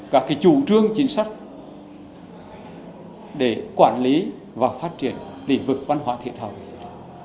các chủ trương chính sách để quản lý và phát triển lĩnh vực văn hóa thể thao và du lịch